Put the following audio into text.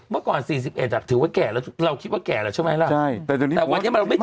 เมื่อก่อน๔๑ถือว่าแก่แล้วเราคิดว่าแก่แล้วใช่ไหมล่ะ